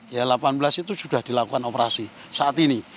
ya delapan belas itu sudah dilakukan operasi saat ini